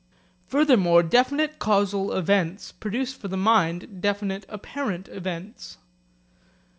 Furthermore definite causal events produce for the mind definite apparent events.